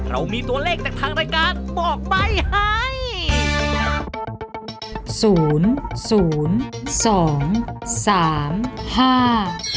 เรามีตัวเลขจากทางรายการบอกไปให้